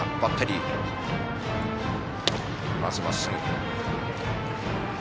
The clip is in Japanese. まず、まっすぐ。